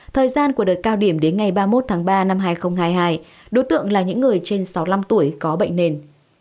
thời gian của đợt cao điểm đến ngày ba mươi một tháng ba năm hai nghìn hai mươi hai đối tượng là những người trên sáu mươi năm tuổi có bệnh nền